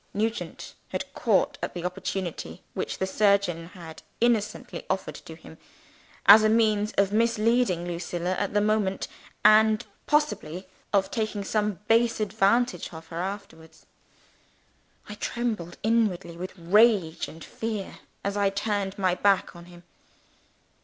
Nugent had caught at the opportunity which the surgeon had innocently offered to him, as a means of misleading Lucilla at the moment, and (possibly) of taking some base advantage of her afterwards. I trembled inwardly with rage and fear, as I turned my back on him.